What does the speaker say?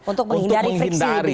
untuk menghindari friksi dengan pdip